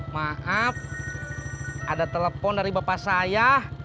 maaf ada telepon dari bapak saya